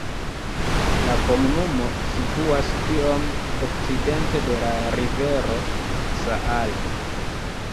La komunumo situas iom okcidente de la rivero Saale.